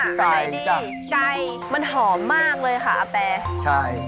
เมนูต่อไปเลยค่ะค่ะเมนูไก่จ้ะไก่มันหอมมากเลยค่ะอาเปใช่